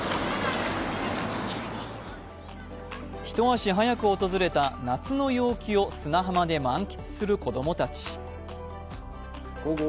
一足早く訪れた夏の陽気を砂浜で満喫する子供たちる